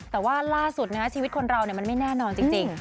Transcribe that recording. แต่ว่าล่าสุดชีวิตคนเรามันไม่แน่นอนจริง